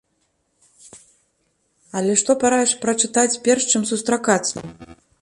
Але што параіш прачытаць перш, чым сустракацца?